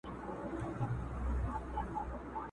چلېدل يې په ښارونو كي حكمونه؛